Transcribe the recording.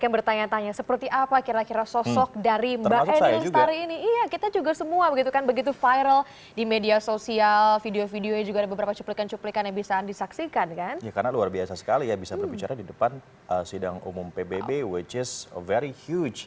bisa berbicara di depan sidang umum pbb which is very huge